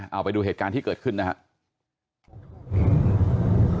เอาไปดูเหตุการณ์ที่เกิดขึ้นนะครับ